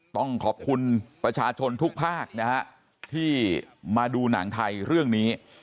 ต้องขอบคุณประชาชนทุกภาคนะฮะที่มาดูหนังไทยเรื่องนี้